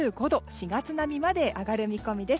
４月並みまで上がる見込みです。